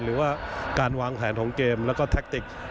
หรือว่าการวางแผนของเกมแล้วก็แท็กติก